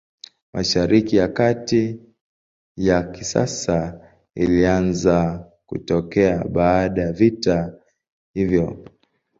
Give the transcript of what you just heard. Mashariki ya Kati ya kisasa ilianza kutokea baada ya vita hiyo.